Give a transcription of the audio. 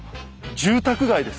住宅街です。